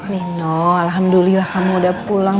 nino alhamdulillah kamu udah pulang